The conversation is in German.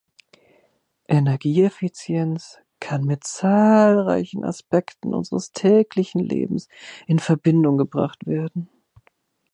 Energieeffizienz kann mit zahlreichen Aspekten unseres täglichen Lebens in Verbindung gebracht werden.